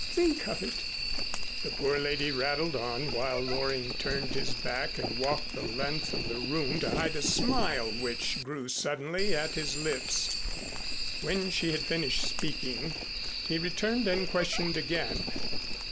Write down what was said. Think of it!" The poor lady rattled on while Loring turned his back and walked the length of the room to hide a smile which grew suddenly at his lips. When she had finished speaking, he returned and questioned again.